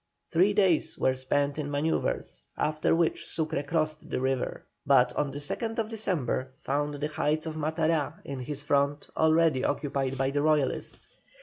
Three days were spent in manœuvres, after which Sucre crossed the river, but on the 2nd December found the heights of Matará in his front already occupied by the Royalists.